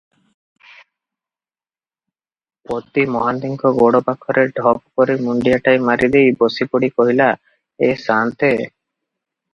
ପଦୀ ମହାନ୍ତିଙ୍କ ଗୋଡ଼ ପାଖରେ ଢପକରି ମୁଣ୍ଡିଆଟାଏ ମାରିଦେଇ ବସିପଡ଼ି କହିଲା, "ଏ ସାନ୍ତେ!